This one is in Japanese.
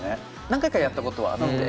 何回かやったことはあって。